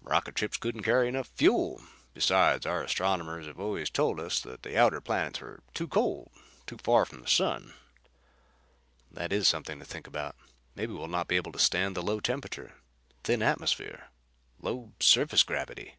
"Rocket ships couldn't carry enough fuel. Besides, our astronomers've always told us that the outer planets were too cold; too far from the sun." "That is something to think about. Maybe we'll not be able to stand the low temperature; thin atmosphere; low surface gravity."